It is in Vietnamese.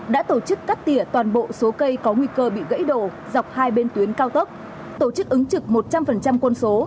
đã tổ chức cắt tỉa toàn bộ số cây có nguy cơ bị gãy đổ dọc hai bên tuyến cao tốc tổ chức ứng trực một trăm linh quân số